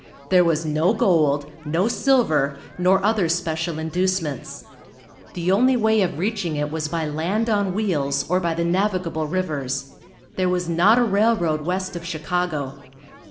There was no gold, no silver, nor other special inducements. The only way of reaching it was by land on wheels, or by the navigable rivers. There was not a railroad west of Chicago.